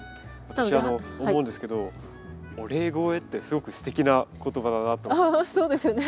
私思うんですけどお礼肥ってすごくすてきな言葉だなと思うんです。